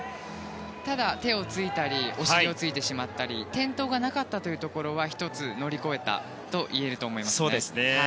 ただ手をついたりお尻をついてしまったり転倒がなかったというところは１つ乗り越えたといえると思いますね。